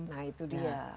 nah itu dia